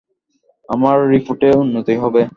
আমার রিপোর্টে উন্নতিই হবে।